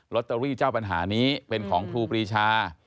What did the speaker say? ตเตอรี่เจ้าปัญหานี้เป็นของครูปรีชา